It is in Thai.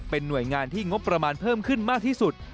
เป็นหน่วยงานที่งบประมาณเพิ่มขึ้นมากที่สุด